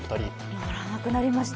乗らなくなりました。